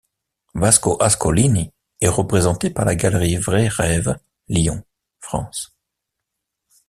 Vasco Ascolini est représenté par la galerie Vrais Rêves, Lyon, France.